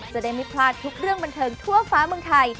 จะได้ไม่พลาดทุกเรื่องบันเทิงทั่วฟ้าเมืองไทย